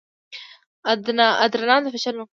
ادرانال د فشار مخنیوی کوي.